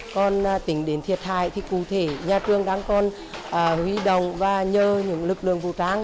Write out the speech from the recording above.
còn tính đến thiệt hại thì cụ thể nhà trường đang còn huy động và nhờ những lực lượng vũ trang